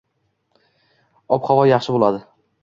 Ob-havo yaxshi boʻladi.